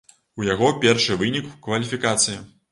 У яго першы вынік у кваліфікацыі.